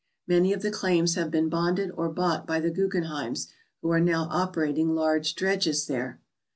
Many of the claims have been bonded or bought by the Guggenheims, who are now operating large dredges there.